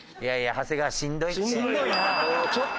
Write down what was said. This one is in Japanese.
長谷川しんどいって。